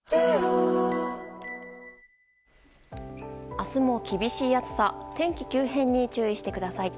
明日も厳しい暑さ天気急変に注意してください。